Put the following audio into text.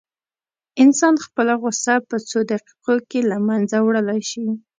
انسان خپله غوسه په څو دقيقو کې له منځه وړلی شي.